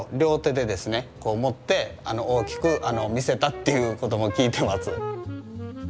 っていうことも聞いてます。